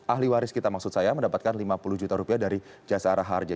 ahli waris kita maksud saya mendapatkan lima puluh juta rupiah dari jasara harja